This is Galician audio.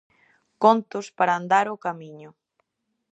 Contos para andar o camiño.